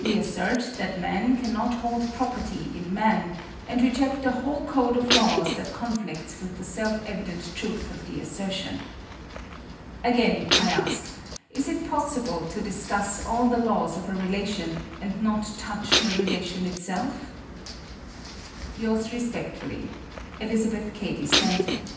We assert that man cannot hold property in man, and reject the whole code of laws that conflicts with the self evident truth of the assertion. "Again, I ask, is it possible to discuss all the laws of a relation, and not touch the relation itself? "Yours respectfully, "Elizabeth Cady Stanton."